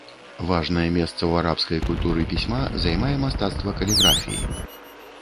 Важнае месца ў арабскай культуры пісьма займае мастацтва каліграфіі.